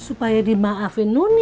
ya supaya dimaafin noni